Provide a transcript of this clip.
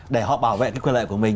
để họ bảo vệ quyền lợi của mình